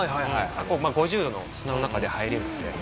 ５０度の砂の中で入れるので。